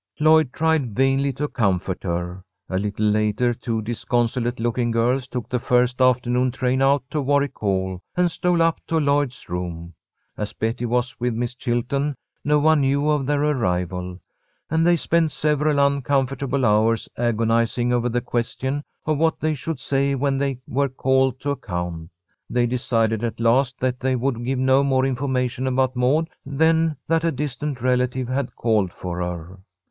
Lloyd tried vainly to comfort her. A little later two disconsolate looking girls took the first afternoon train out to Warwick Hall, and stole up to Lloyd's room. As Betty was with Miss Chilton, no one knew of their arrival, and they spent several uncomfortable hours agonizing over the question of what they should say when they were called to account. They decided at last that they would give no more information about Maud than that a distant relative had called for her.